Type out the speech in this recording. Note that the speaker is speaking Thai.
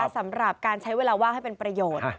สำหรับการใช้เวลาว่างให้เป็นประโยชน์